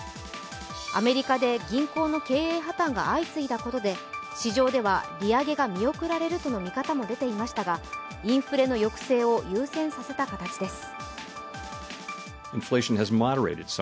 アメリカで銀行の経営破綻が相次いだことで市場では、利上げが見送られるとの見方も出ていましたがインフレの抑制を優先させた形です。